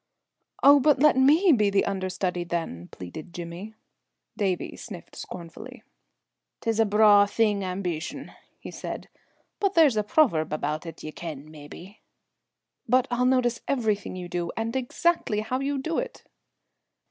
"Oh, but let me be the under study, then," pleaded Jimmy. Davie sniffed scornfully. "'Tis a braw thing, ambeetion," he said, "but there's a proverb about it ye ken, mebbe." "But I'll notice everything you do, and exactly how you do it!"